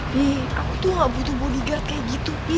pi aku tuh gak butuh bodyguard kayak gitu pi